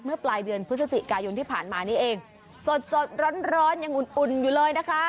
เมื่อปลายเดือนพฤศจิกายุนที่ผ่านมานี่เองสดสดร้อนร้อนยังอุ่นอุ่นอยู่เลยนะคะ